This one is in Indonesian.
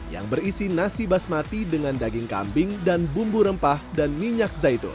yang berisi nasi basmati dengan daging kambing dan bumbu rempah dan minyak zaitun